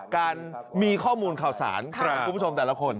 การมีข้อมูลข่าวสารของคุณผู้ชมแต่ละคน